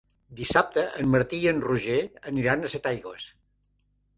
Dissabte en Martí i en Roger aniran a Setaigües.